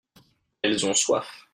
elles ont soif.